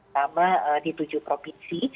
sama di tujuh provinsi